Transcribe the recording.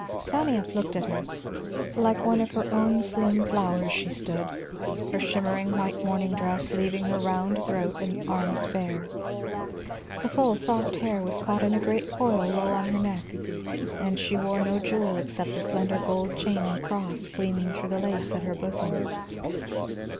Stanief looked at her. Like one of her own slim flowers she stood, her shimmering white morning dress leaving her round throat and arms bare. The full soft hair was caught in a great coil low on her neck, she wore no jewel except the slender gold chain and cross gleaming through the lace at her bosom.